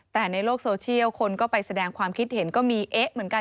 แต่ในโลกโซเชียลคนก็ไปแสดงความคิดเห็นก็มีเอ๊ะเหมือนกัน